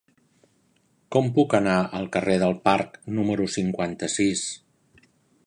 Com puc anar al carrer del Parc número cinquanta-sis?